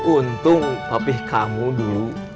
untung papih kamu dulu